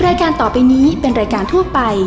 รายการต่อไปนี้เป็นรายการทั่วไป